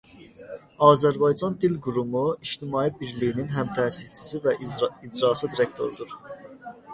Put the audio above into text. Azərbaycan Dil Qurumu İctimai Birliyinin həmtəsisçisi və icraçı direktorudur.